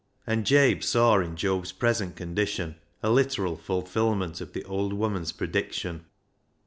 And Jabe saw in Job's present condition a literal fulfilment of the old woman's prediction.